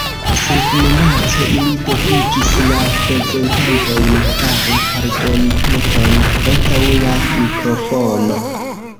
Sub minaco ili devigis la prezentantojn fari pardonpeton antaŭ la mikrofono.